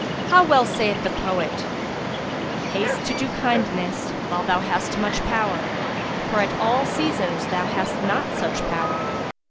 How well saith the poet, 'Haste to do kindness while thou hast much power, * For at all seasons thou hast not such power.'"